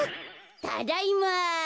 ただいま。